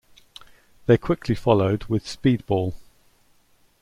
They quickly followed with "Speedball".